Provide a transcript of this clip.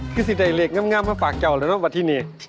คือสินใหญ่เหล็กง่ำมาฝากแก่ออกแล้วนะวันที่นี้